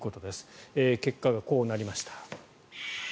結果がこうなりました。